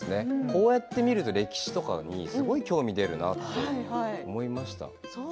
こうやって見ると、歴史とかにすごく興味が出ると思いました。